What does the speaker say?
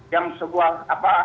yang sebuah apa